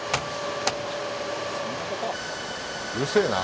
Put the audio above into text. うるせえな。